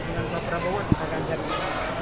dengan pak prabowo atau pak ganjarin